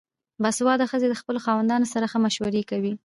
باسواده ښځې د خپلو خاوندانو سره ښه مشوره کوي.